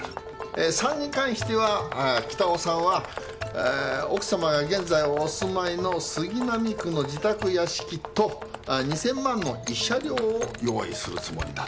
えー③に関してはあー北尾さんはあー奥さまが現在お住まいの杉並区の自宅屋敷とあー２，０００万の慰謝料を用意するつもりだと。